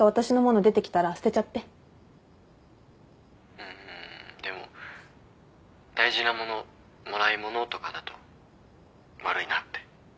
うんでも大事な物もらい物とかだと悪いなって。